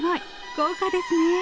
豪華ですね。